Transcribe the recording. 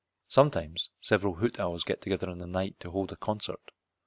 Sometimes several hoot owls get together in the night to hold a concert.